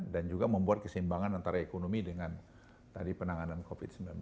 dan juga membuat kesimbangan antara ekonomi dengan tadi penanganan covid sembilan belas